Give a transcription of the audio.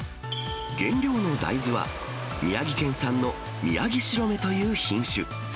原料の大豆は、宮城県産のミヤギシロメという品種。